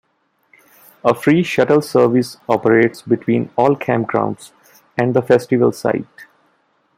A free shuttle service operates between all campgrounds and the festival site.